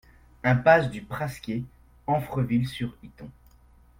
Impasse du Prasquer, Amfreville-sur-Iton